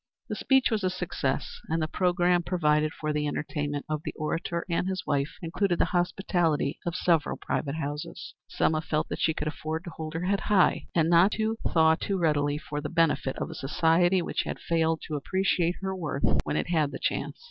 The speech was a success, and the programme provided for the entertainment of the orator and his wife included the hospitality of several private houses. Selma felt that she could afford to hold her head high and not to thaw too readily for the benefit of a society which had failed to appreciate her worth when it had the chance.